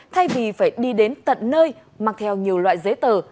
thay vì phải đi đến tận nơi mang theo nhiều loại giấy tờ